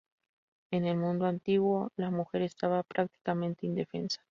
En el mundo antiguo la mujer estaba prácticamente indefensa.